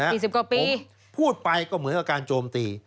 สิบกว่าปีพูดไปก็เหมือนกับการโจมตี